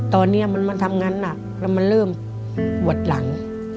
ตอนนี้มันทำงานหนักแล้วมันเริ่มปวดหลัง